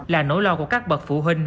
là nỗi lo của các bậc phụ huynh